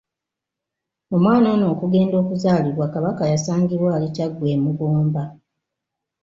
Omwana ono okugenda okuzaalibwa, Kabaka yasangibwa ali Kyaggwe e Mugomba.